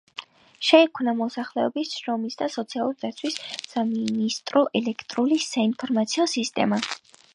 შეიქმნა მოსახლეობის შრომის და სოციალური დაცვის სამინისტროს ელექტრონული საინფორმაციო სისტემა.